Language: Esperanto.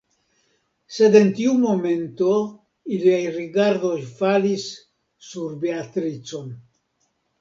Sed en tiu momento iliaj rigardoj falis sur Beatricon.